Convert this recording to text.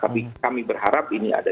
tapi kami berharap ini ada